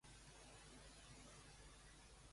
Sobre quins arrestos de separatistes ha fet referència?